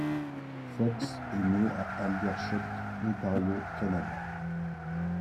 Fox est né à Aldershot, Ontario, Canada.